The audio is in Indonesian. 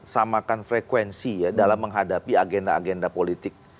samakan frekuensi ya dalam menghadapi agenda agenda politik